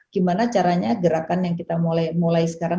gimana caranya gerakan yang kita mulai sekarang